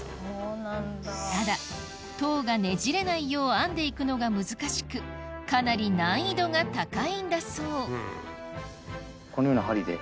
ただ籐がねじれないよう編んでいくのが難しくかなりこのような針で。